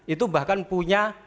itu bahkan punya